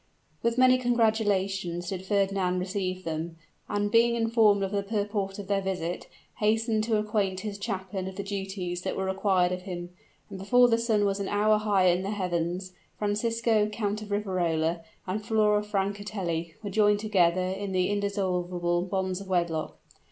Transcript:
With many congratulations did Fernand receive them; and being informed of the purport of their visit, hastened to acquaint his chaplain of the duties that were required of him; and before the sun was an hour higher in the heavens, Francisco, Count of Riverola, and Flora Francatelli were joined together in the indissoluble bonds of wedlock.